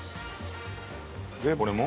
でこれも？